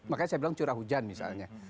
makanya saya bilang curah hujan misalnya